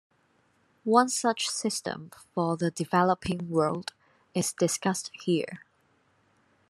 One such system for the developing world is discussed here.